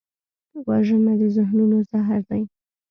وژنه د ذهنونو زهر دی